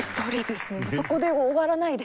そこで終わらないで！